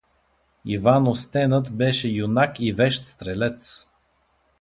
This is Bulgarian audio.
Иван Остенът беше юнак и вещ стрелец.